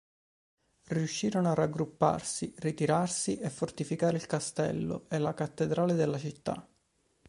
Riuscirono a raggrupparsi, ritirarsi e fortificare il castello e la cattedrale della città.